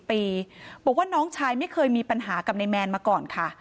บอกว่าน้องชายไม่เคยมีปัญหากับนายแมนมาก่อนค่ะ